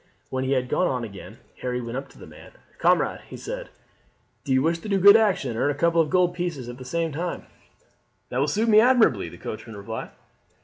When he had gone on again Harry went up to the man. "Comrade," he said, "do you wish to do a good action and earn a couple of gold pieces at the same time?" "That will suit me admirably," the coachman replied.